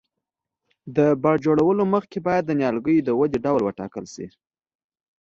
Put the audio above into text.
د بڼ جوړولو مخکې باید د نیالګیو د ودې ډول وټاکل شي.